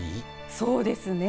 そうですね。